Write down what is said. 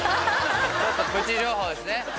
ちょっとプチ情報ですね